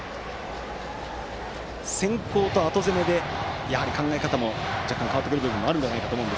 先攻と後攻めで考え方も若干変わってくる部分もありますか。